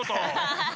ハハハハ！